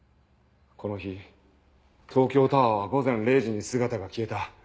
この日東京タワーは午前０時に姿が消えた。